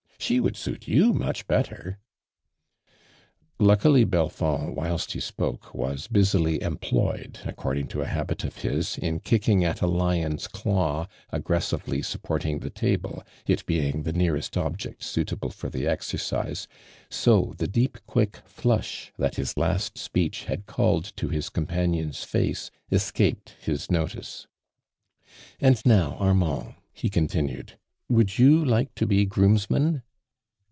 She would suit you much bettei' !'' Luckily Belfond whilst he spoke was busi ly employed, according to a habit of his, in kicking at a lion's claw, aggressively sup porting the table, it being the nearest object suitable for the exercise, so the deep quick flush that his last speech had called to his companion's face escajied his notice. "And ndw. Armand." he continued; " would you like to be groomsman